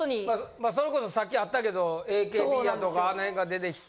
まあそれこそさっきあったけどＡＫＢやとかあの辺が出てきて。